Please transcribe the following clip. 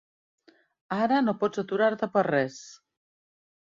Ara no pots aturar-te per res!